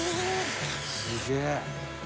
すげえ。